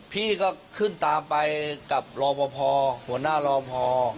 พี่ก็ขึ้นตามไปกับรอปภหัวหน้ารอพอ